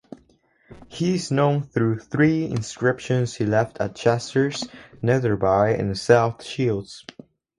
He is known through three inscriptions he left at Chesters, Netherby and South Shields.